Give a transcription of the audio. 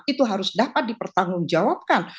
itu harus dapat dipertanggungjawabkan